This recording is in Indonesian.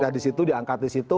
nah di situ diangkat di situ